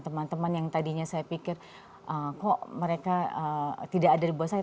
teman teman yang tadinya saya pikir kok mereka tidak ada di bawah saya